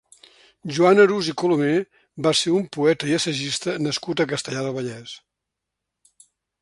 Joan Arús i Colomer va ser un poeta i assagista nascut a Castellar del Vallès.